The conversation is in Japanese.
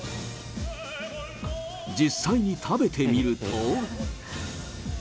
実際に食べてみると。